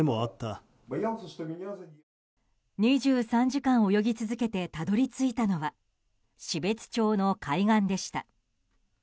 ２３時間泳ぎ続けてたどり着いたのは標津町の海岸でした。